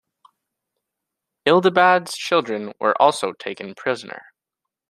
Ildibad's children were also taken prisoner.